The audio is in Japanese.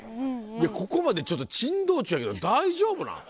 ここまで珍道中やけど大丈夫なん？